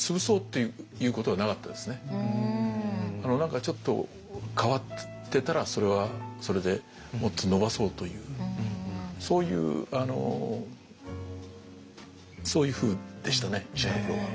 何かちょっと変わってたらそれはそれでもっと伸ばそうというそういうそういうふうでしたね石原プロは。